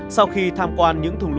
sau khi tham quan những thông tin